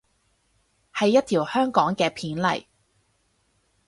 係一條香港嘅片嚟